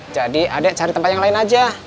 jadi adek cari tempat yang lain aja